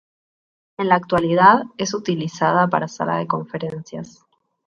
En la actualidad es utilizada para sala de conferencias.